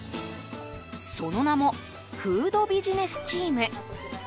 その名もフードビジネスチーム。